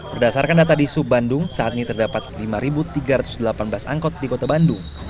berdasarkan data di sub bandung saat ini terdapat lima tiga ratus delapan belas angkot di kota bandung